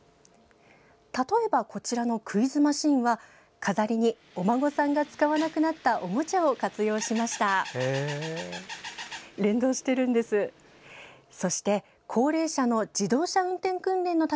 例えば、こちらのクイズマシンは飾りにお孫さんが使わなくなったおもちゃを活用しました。